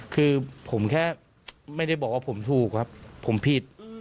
คือผมแค่ไม่ได้บอกว่าผมถูกครับผมผิด